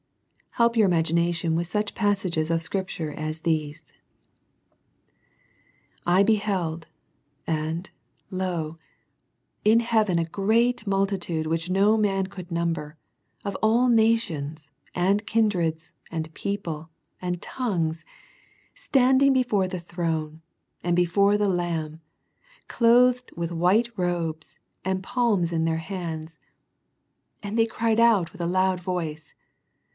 Help your imaginations with such passages of scrip ture as these. Rev. vii. 9. " I beheld, and lo, in hea ven a great multitude which no man could number, of all nations, and kindreds, and people, and tongues, standing before the throne, and before the Lamb, clothed with Avhite robes, and palms in their hands. And they cried with a loud voice.